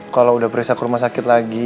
kalau udah beresak rumah sakit lagi